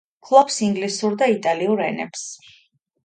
ფლობს ინგლისურ და იტალიურ ენებს.